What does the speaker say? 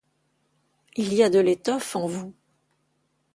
Il y a de l’étoffe en vous !